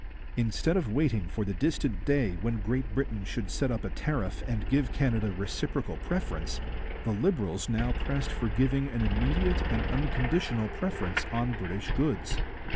Instead of waiting for the distant day when Great Britain should set up a tariff and give Canada reciprocal preference, the Liberals now pressed for giving an immediate and unconditional preference on British goods.